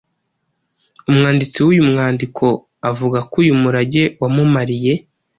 Umwanditsi w’uyu mwandiko avuga ko uyu murage wamumariye